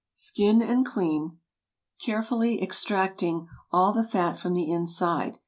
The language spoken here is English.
Skin and clean, carefully extracting all the fat from the inside.